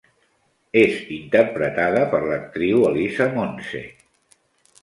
És interpretada per l'actriu Elisa Monse.